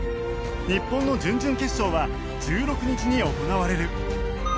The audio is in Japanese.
日本の準々決勝は１６日に行われる。